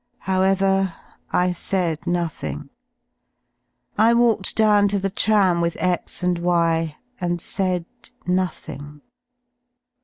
However, I said nothing. I walked down to the tram with X and Y , and said nothing.